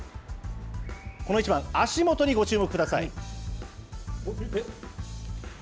この一番、足元にご注目ください。